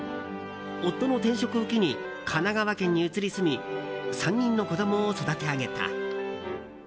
夫の転職を機に神奈川県に移り住み３人の子供を育て上げた。